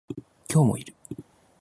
今日もいる